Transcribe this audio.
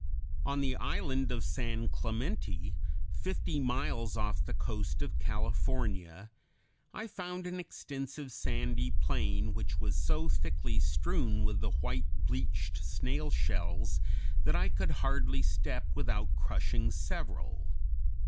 On the island of San Clemente, fifty miles off the coast of California, I found an extensive sandy plain which was so thickly strewn with the white, bleached snail shells that I could hardly step without crushing several.